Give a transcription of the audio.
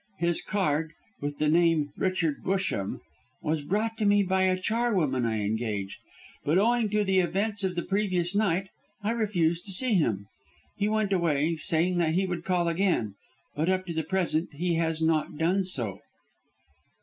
His card, with the name Richard Busham, was brought to me by a charwoman I engaged, but owing to the events of the previous night I refused to see him. He went away saying he would call again, but up to the present he has not done so."